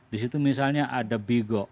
disitu misalnya ada bigo